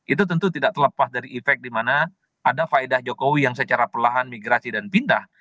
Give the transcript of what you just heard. itu tentu tidak terlepas dari efek di mana ada faedah jokowi yang secara perlahan migrasi dan pindah